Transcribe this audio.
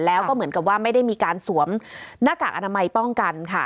แล้วก็เหมือนกับว่าไม่ได้มีการสวมหน้ากากอนามัยป้องกันค่ะ